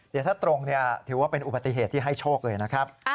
เดี๋ยวถ้าตรงถือว่าเป็นอุบัติเหตุที่ให้โชคเลยนะครับ